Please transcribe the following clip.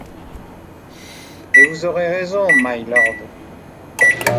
Et vous aurez raison, mylord.